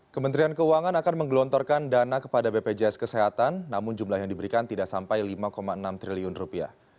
kementerian keuangan akan menggelontorkan dana kepada bpjs kesehatan namun jumlah yang diberikan tidak sampai lima enam triliun rupiah